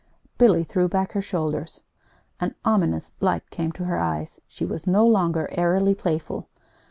Billy threw back her shoulders. An ominous light came to her eyes. She was no longer airily playful.